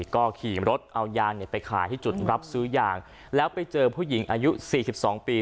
ก็ขี่รถเอายางไปขายที่จุดรับซื้อยางแล้วไปเจอผู้หญิงอายุ๔๒ปี